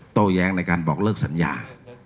โต้แย้งในการบอกเลิกสัญญา